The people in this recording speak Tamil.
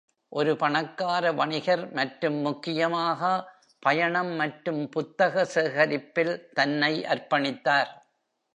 ஒரு பணக்கார வணிகர், மற்றும் முக்கியமாக பயணம் மற்றும் புத்தக சேகரிப்பில் தன்னை அர்ப்பணித்தார்.